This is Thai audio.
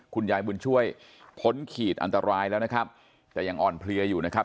คุณยายบุญช่วยพ้นขีดอันตรายแล้วนะครับแต่ยังอ่อนเพลียอยู่นะครับ